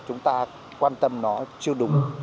chúng ta quan tâm nó chưa đúng